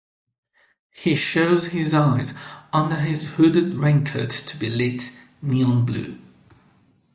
He shows his eyes under his hooded raincoat to be lit neon blue.